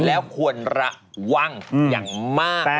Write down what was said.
แล้วควรระวังอย่างมาก